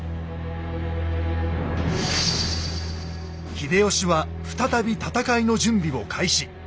秀吉は再び戦いの準備を開始。